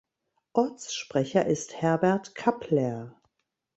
Ortssprecher ist Herbert Kappler.